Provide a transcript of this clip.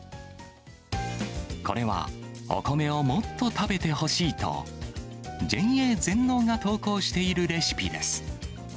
これは、お米をもっと食べてほしいと、ＪＡ全農が投稿しているレシピです。